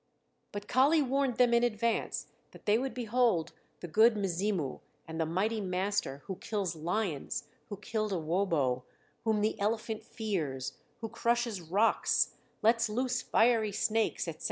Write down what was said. But Kali warned them in advance that they would behold the "Good Mzimu" and the mighty master "who kills lions, who killed a wobo, whom the elephant fears, who crushes rocks, lets loose fiery snakes," etc.